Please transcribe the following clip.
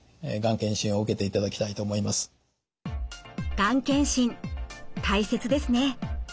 がん検診大切ですね。